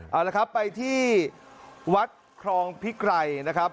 เอาละครับไปที่วัดครองพิไกรนะครับ